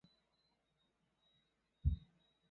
同时世界上大部份相似敬礼都以相同原因被禁止。